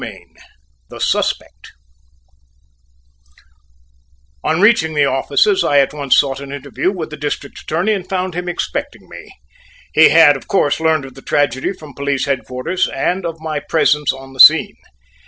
CHAPTER IV THE SUSPECT On reaching the offices, I at once sought an interview with the District Attorney and found him expecting me. He had, of course, learned of the tragedy from police headquarters, and of my presence on the scene.